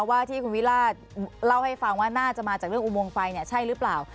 ว่าที่คุณวิราชเล่าให้ฟังว่าน่าจะมาจากเรื่องอุโมงไฟเนี่ยใช่หรือเปล่า